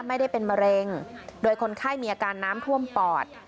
ไม่ได้เป็นมะเร็งโดยคนไข้มีอาการน้ำท่วมปอด